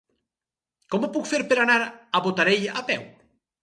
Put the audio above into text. Com ho puc fer per anar a Botarell a peu?